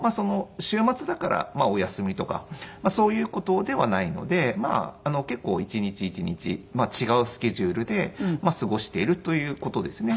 週末だからお休みとかそういう事ではないので結構一日一日違うスケジュールで過ごしているという事ですね。